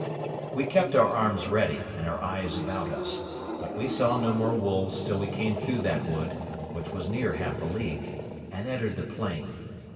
We kept our arms ready, and our eyes about us; but we saw no more wolves till we came through that wood, which was near half a league, and entered the plain.